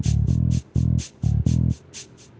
bro gamer sekarang aku udah esos